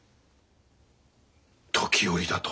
時折だと？